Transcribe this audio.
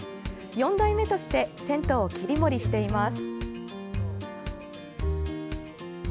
４代目として銭湯を切り盛りしています。